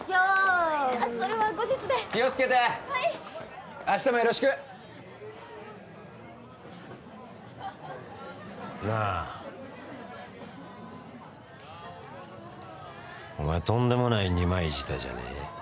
いやそれは後日で気をつけてはい明日もよろしくなあお前とんでもない二枚舌じゃねえ？